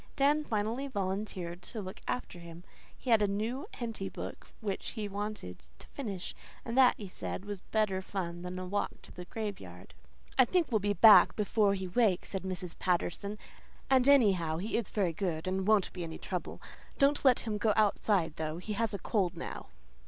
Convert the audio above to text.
Dan finally volunteered to look after him. He had a new Henty book which he wanted to finish, and that, he said, was better fun than a walk to the graveyard. "I think we'll be back before he wakes," said Mrs. Patterson, "and anyhow he is very good and won't be any trouble. Don't let him go outside, though. He has a cold now."